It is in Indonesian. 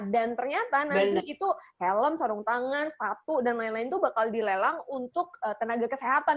dan ternyata nanti itu helm sarung tangan statu dan lain lain tuh bakal dilelang untuk tenaga kesehatan